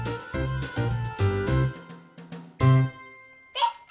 できた！